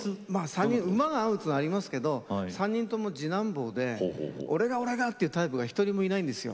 ３人馬が合うっていうのはありますけど３人とも次男坊で俺が俺がっていうタイプが一人もいないんですよ。